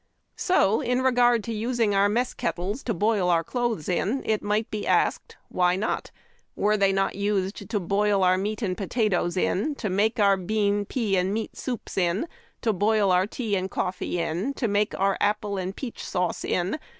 So, in regard to using our mess ket tles to boil clothes :;^ in, it might be ask ed " Why not ?" Were they not used to boil our meat and potatoes in, to make our bean, pea, and meat soups in, to boil our tea and coffee in, to make our apple and peach sauce in